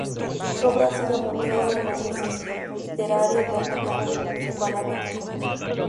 Su obra ha sido motivo de análisis literario tanto como psicoanalítico.